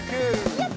やった！